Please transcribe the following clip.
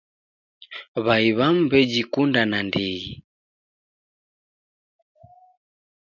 W'ai w'amu w'ejikunda nandighi.